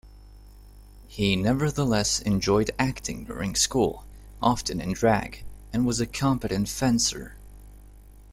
He nevertheless enjoyed acting during school, often in drag, and was a competent fencer.